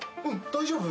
大丈夫？